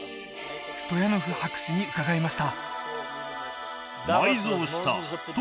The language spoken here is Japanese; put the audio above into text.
ストヤノフ博士に伺いました